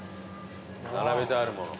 並べてあるもの。